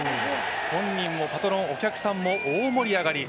本人もパトロン・お客さんも大盛り上がり。